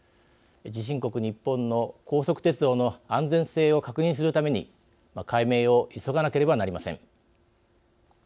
地震国、日本の高速鉄道の安全性を確認するために解明を急がなければなりません。